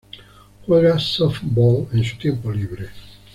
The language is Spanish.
Juega softball en su tiempo libre.